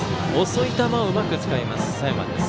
遅い球をうまく使います、佐山。